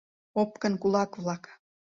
ОПКЫН КУЛАК-ВЛАК